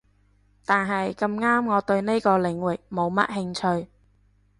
但係咁啱我對呢個領域冇乜興趣